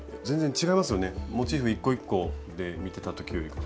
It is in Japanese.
モチーフ一個一個で見てた時よりか。